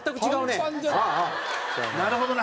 なるほどな。